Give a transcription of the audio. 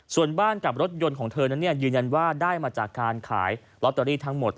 ส่วนบ้านกับรถยนต์ของเธอนั้นยืนยันว่าได้มาจากการขายลอตเตอรี่ทั้งหมด